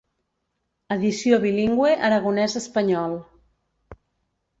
Edició bilingüe aragonès-espanyol.